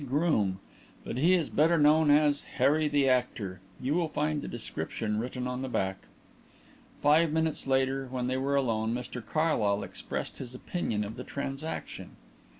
Groom, but he is better known as 'Harry the Actor.' You will find the description written on the back." Five minutes later, when they were alone, Mr Carlyle expressed his opinion of the transaction.